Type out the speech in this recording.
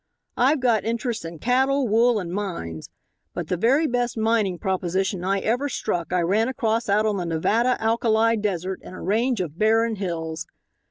I've got interests in cattle, wool and mines, but the very best mining proposition I ever struck I ran across out on the Nevada alkali desert in a range of barren hills.